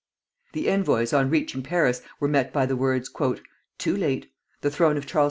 The envoys on reaching Paris were met by the words: "Too late! The throne of Charles X.